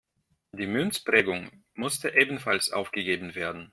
Die Münzprägung musste ebenfalls aufgegeben werden.